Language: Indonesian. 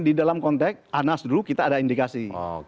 di dalam konteks anas dulu kita ada indikasi